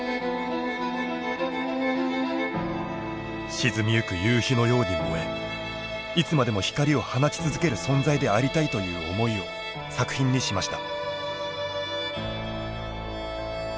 沈みゆく夕日のように燃えいつまでも光を放ち続ける存在でありたいという思いを作品にしました。